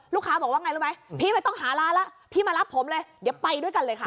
ลูกค้าบอกว่าไงรู้ไหมพี่ไม่ต้องหาร้านแล้วพี่มารับผมเลยเดี๋ยวไปด้วยกันเลยค่ะ